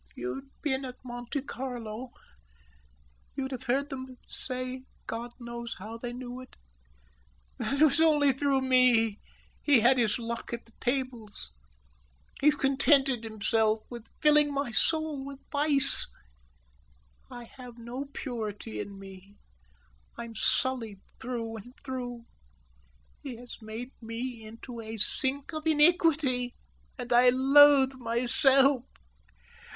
"If you'd been at Monte Carlo, you'd have heard them say, God knows how they knew it, that it was only through me he had his luck at the tables. He's contented himself with filling my soul with vice. I have no purity in me. I'm sullied through and through. He has made me into a sink of iniquity, and I loathe myself.